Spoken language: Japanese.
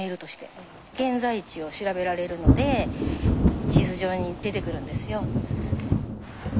現在地を調べられるので地図上に出てくるんですよ。